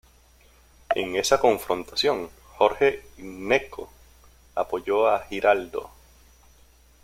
En esa confrontación, Jorge Gnecco apoyó a Giraldo.